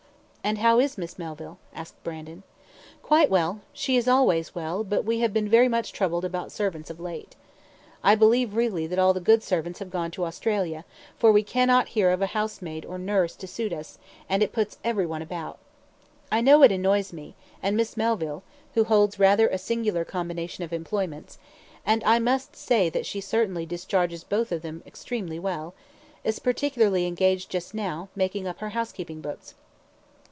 "And how is Miss Melville?" asked Brandon. "Quite well, she is always well; but we have been very much troubled about servants of late. I believe really that all the good servants have gone to Australia, for we cannot hear of a housemaid or nurse to suit us, and it puts every one about. I know it annoys me, and Miss Melville (who holds rather a singular combination of employments, and I must say that she certainly discharges both of them extremely well) is particularly engaged just now, making up her housekeeping books."